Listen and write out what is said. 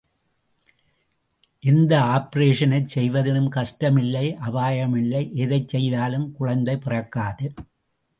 எந்த ஆப்பரேஷனைச் செய்வதிலும் கஷ்டமில்லை, அபாயமுமில்லை, எதைச் செய்தாலும் குழந்தை பிறக்காது.